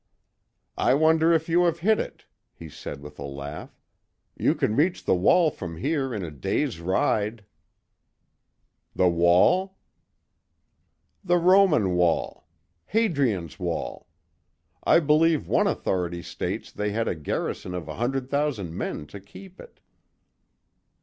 "I wonder if you have hit it," he said with a laugh. "You can reach the Wall from here in a day's ride." "The Wall?" "The Roman Wall; Hadrian's Wall. I believe one authority states they had a garrison of 100,000 men to keep it."